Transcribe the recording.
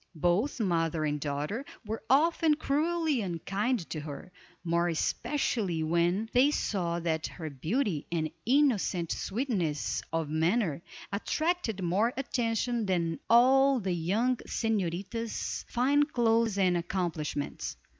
Both mother and daughter were often cruelly unkind to her, more especially when they saw that her beauty, and innocent sweetness of manner, attracted more attention than all the young señorita's fine clothes and accomplishments.